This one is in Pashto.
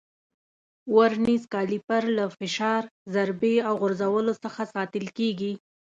ورنیز کالیپر له فشار، ضربې او غورځولو څخه ساتل کېږي.